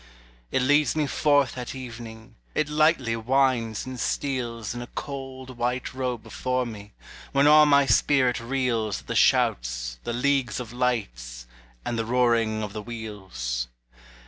It leads me forth at evening, It lightly winds and steals In a cold white robe before me, When all my spirit reels At the shouts, the leagues of lights, And the roaring of the wheels.